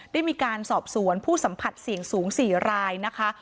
ได้มีการสอบสวนผู้สัมผัสเสี่ยงสูง๔รายนะคะ